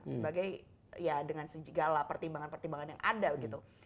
sebagai ya dengan segala pertimbangan pertimbangan yang ada gitu